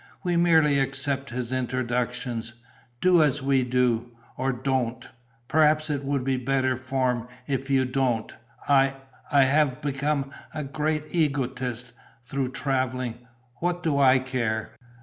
We merely accept his introductions. Do as we do. Or ... don't. Perhaps it will be better form if you don't. I ... I have become a great egoist, through travelling. What do I care?..."